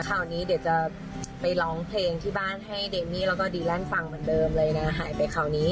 คราวนี้เดี๋ยวจะไปร้องเพลงที่บ้านให้เดมมี่แล้วก็ดีแลนด์ฟังเหมือนเดิมเลยนะหายไปคราวนี้